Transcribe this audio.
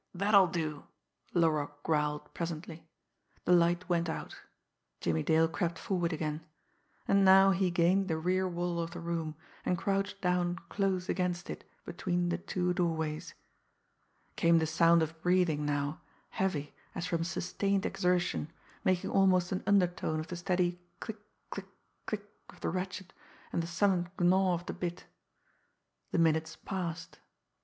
That'll do!" Laroque growled presently. The light went out. Jimmie Dale crept forward again. And now he gained the rear wall of the room, and crouched down close against it between the two doorways. Came the sound of breathing now, heavy, as from sustained exertion, making almost an undertone of the steady click click click of the ratchet, and the sullen gnaw of the bit. The minutes passed.